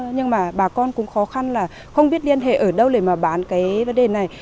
nhưng mà bà con cũng khó khăn là không biết liên hệ ở đâu để mà bán cái vấn đề này